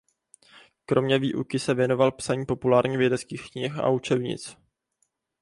Kromě výuky se věnoval psaní populárně vědeckých knih a učebnic.